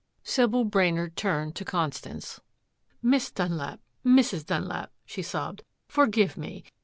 Sybil Brainard turned to Constance. "Miss Dunlap Mrs. Dunlap," she sobbed, "forgive me.